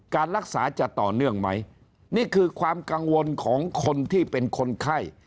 การรักษาจะต่อเนื่องไหมนี่คือความกังวลของคนที่เป็นคนไข้